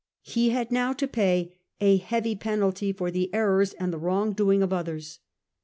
He had now to pay a heavy penalty for the errors and the wrong doing of others.